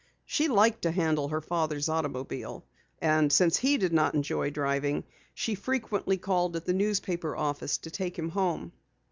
She liked to handle her father's automobile, and since he did not enjoy driving, she frequently called at the newspaper office to take him home.